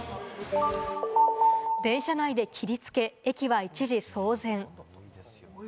電車内で切りつけ、駅は一時騒然。